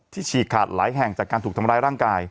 ฉีกขาดหลายแห่งจากการถูกทำร้ายร่างกาย